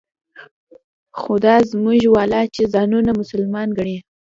خو دا زموږ والا چې ځانونه مسلمانان ګڼي.